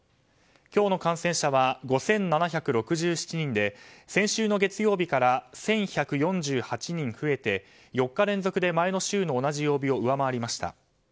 今日の感染者は５７６７人で先週の月曜日から１１４８人増えて４日連続で前の週の同じ曜日を上回りました。